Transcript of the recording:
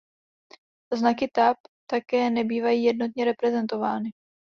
Znaky tab také nebývají jednotně reprezentovány.